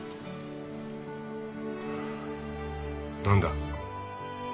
何だ。